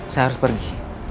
saya harus pergi